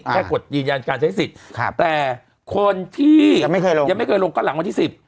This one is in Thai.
กฎยืนยันการใช้สิทธิ์แต่คนที่ลงยังไม่เคยลงก็หลังวันที่๑๐